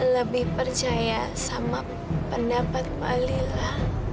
lebih percaya sama pendapat malila